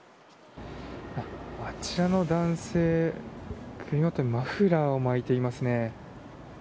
あちらの男性、首もとにマフラーを巻いていますね。